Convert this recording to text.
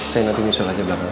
saya nanti nyusul aja belakang